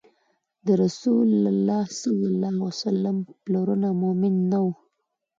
د رسول الله ﷺ پلرونه مؤمن نه وو